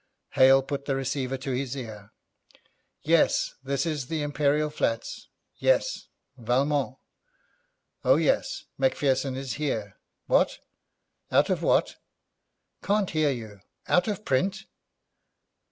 Hale put the receiver to his ear. 'Yes, this is the Imperial Flats. Yes. Valmont. Oh, yes; Macpherson is here. What? Out of what? Can't hear you. Out of print.